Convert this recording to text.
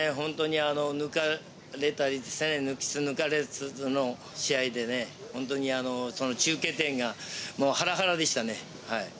抜かれたりして、抜きつ抜かれつの試合で本当に中継点がハラハラでしたね。